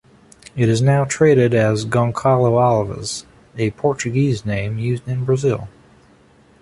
It is now traded as goncalo alves, a Portuguese name used in Brazil.